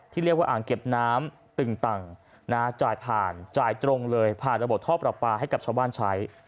เรียกว่าอ่างเก็บน้ำตึงตังนะจ่ายผ่านจ่ายตรงเลยผ่านระบบท่อประปาให้กับชาวบ้านใช้